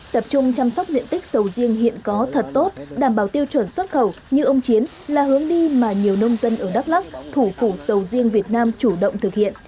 tập trung chăm sóc diện tích sầu riêng hiện có thật tốt đảm bảo tiêu chuẩn xuất khẩu như ông chiến là hướng đi mà nhiều nông dân ở đắk lắk thủ phủ sầu riêng việt nam chủ động thực hiện